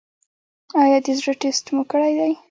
ایا د زړه ټسټ مو کړی دی؟